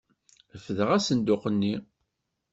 Refdeɣ asenduq-nni.